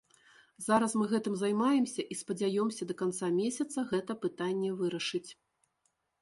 Зараз мы гэтым займаемся і спадзяёмся да канца месяца гэта пытанне вырашыць.